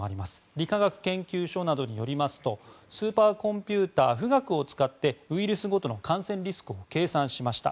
理化学研究所などによりますとスーパーコンピューター「富岳」を使ってウイルスごとの感染リスクを計算しました。